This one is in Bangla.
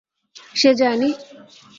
সে যায় নি?